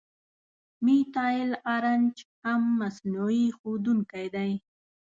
میتایل آرنج هم مصنوعي ښودونکی دی.